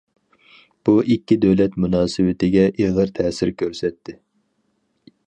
بۇ ئىككى دۆلەت مۇناسىۋىتىگە ئېغىر تەسىر كۆرسەتتى.